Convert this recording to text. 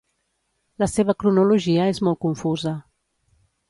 La seva cronologia és molt confusa.